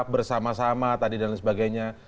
bersama sama tadi dan sebagainya